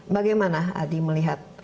bagaimana adi melihat